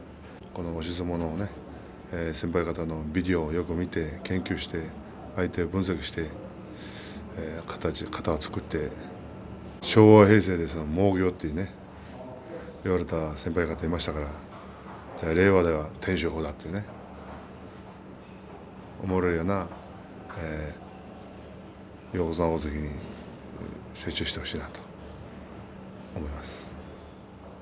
押し相撲の先輩方のビデオをよく見て研究して相手を分析して型を作って昭和、平成の猛牛と言われた先輩がいますから令和では天照鵬ってね思われるような横綱大関に成長してほしいなと思います。